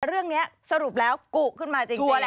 เรื่องนี้สรุปแล้วกุขึ้นมาจริงแหละ